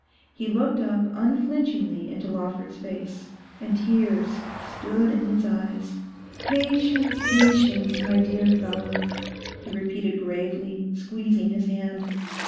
He looked up unflinching into Lawford's face, and tears stood in his eyes. 'Patience, patience, my dear fellow,' he repeated gravely, squeezing his hand.